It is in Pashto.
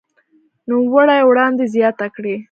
نوموړي وړاندې زياته کړې